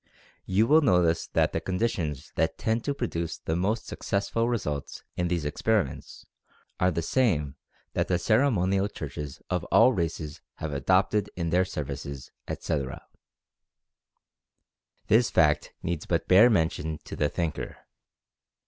You will notice that the conditions that tend to produce the most successful results in these experiments are the same that the cere monial churches of all races have adopted in their services, etc. This fact needs but bare mention to the thinker.